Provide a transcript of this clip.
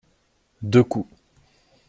Deux coups.